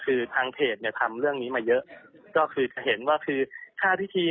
คือทางเพจเนี่ยทำเรื่องนี้มาเยอะก็คือเห็นว่าคือท่าพิธี